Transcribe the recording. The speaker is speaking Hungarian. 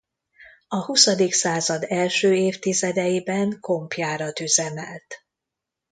A huszadik század első évtizedeiben kompjárat üzemelt.